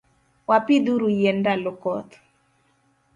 Wapidhuru yien ndalo koth.